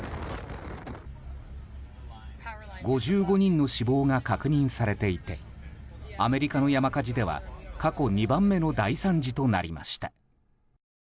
５５人の死亡が確認されていてアメリカの山火事では過去２番目の大惨事となりました。